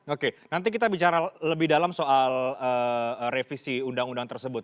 oke nanti kita bicara lebih dalam soal revisi undang undang tersebut